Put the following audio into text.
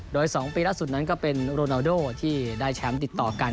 โดย๒ปีล่าสุดนั้นก็เป็นโรนาโดที่ได้แชมป์ติดต่อกัน